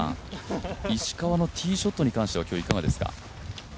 石川のティーショットに関しては今日、いかがですか？